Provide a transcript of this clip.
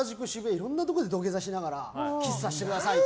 いろんなところで土下座しながらキスさせてくださいって。